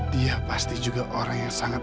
dia pasti juga orang yang sangat